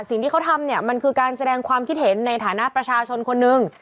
สิ่งที่เขาทำเนี่ยมันคือการแสดงความคิดเห็นในฐานะประชาชนคนนึง